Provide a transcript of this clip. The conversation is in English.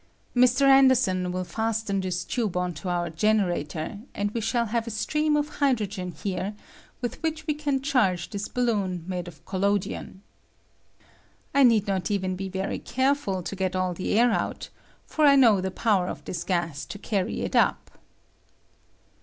Mr. Anderson will fasten this tube on to our generator, and we shall have a stream of hydrogen here with which we w nTDROGEN BALLOONS, 91 can charge this balloon made of collodion. I need not even be very careful to get all the air Lout, for I know the power of this gas to carry tit Tip.